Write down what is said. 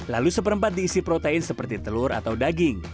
lalu seperempat diisi protein seperti telur atau daging